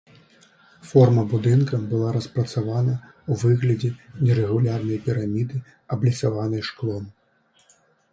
Форма будынка была распрацавана ў выглядзе нерэгулярнай піраміды, абліцаванай шклом.